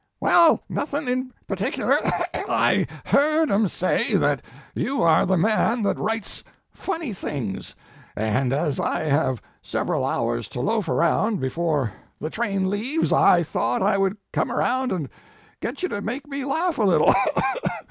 "Well, nothin in particular. I heard em say that you are the man that writes funny things, and as I have several hours to loaf around before the train leaves, I thought I would come around and get you to make me laugh a little.